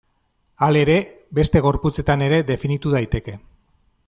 Halere, beste gorputzetan ere definitu daiteke.